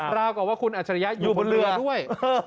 ราวกับว่าคุณอัจฉริยะอยู่บนเรือด้วย